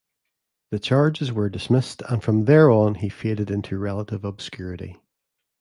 The charges were dismissed and from thereon he faded into relative obscurity.